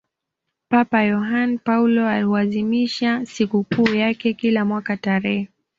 papa yohane paulo huazimisha sikukuu yake kila mwaka tarehe